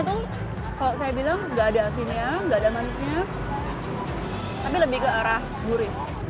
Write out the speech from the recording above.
itu kalau saya bilang nggak ada asinnya nggak ada manisnya tapi lebih ke arah gurih